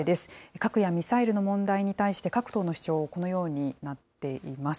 核やミサイルの問題に対して各党の主張はこのようになっています。